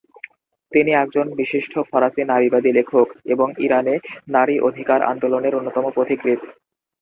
তিনি একজন বিশিষ্ট ফারসি নারীবাদী লেখক, এবং ইরানে নারী অধিকার আন্দোলনের অন্যতম পথিকৃৎ।